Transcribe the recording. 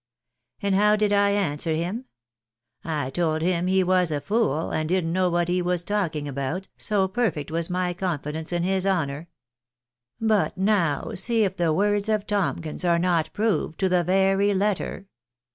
And how did I answer him ? I told him he was a fool, and didn't know what he was talking about, so perfect was my confidence in his honour. But now see if the words of Tomkins are not proved to the very letter